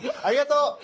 ありがとう！